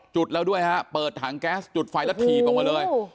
จุดแล้วด้วยฮะเปิดถังแก๊สจุดไฟแล้วถีบออกมาเลย